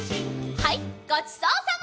はいごちそうさま！